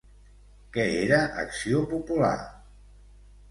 Què era Acció Popular?